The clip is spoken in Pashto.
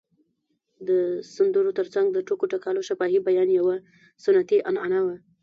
د سندرو تر څنګ د ټوکو ټکالو شفاهي بیان یوه سنتي عنعنه وه.